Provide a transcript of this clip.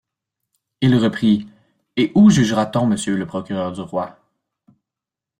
Il reprit: — Et où jugera-t-on monsieur le procureur du roi?